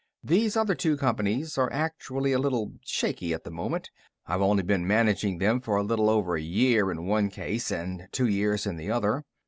"These other two companies are actually a little shaky at the moment; I've only been managing them for a little over a year in one case and two years in the other.